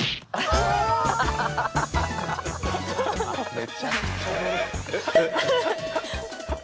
めちゃくちゃ泥。